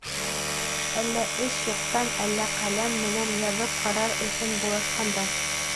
Әллә эш юҡтан, әллә ҡәләм менән яҙып ҡарар өсөн булашҡандар.